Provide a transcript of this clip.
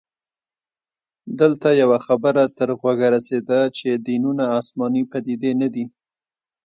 دلته يوه خبره تر غوږه رسیده چې دینونه اسماني پديدې نه دي